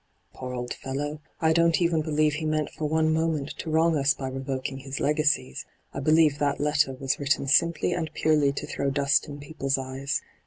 Poor old fellow I I don't even believe he meant for one moment to wrong us by revok ing his legacies ; I believe that letter was written simply and purely to throw dust in people's eyes.